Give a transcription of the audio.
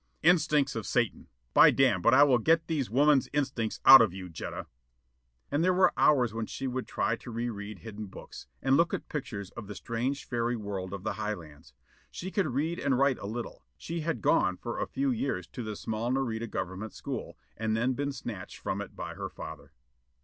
"Instincts of Satan! By damn but I will get these woman's instincts out of you, Jetta!" And there were hours when she would try to read hidden books, and look at pictures of the strange fairy world of the Highlands. She could read and write a little: she had gone for a few years to the small Nareda government school, and then been snatched from it by her father.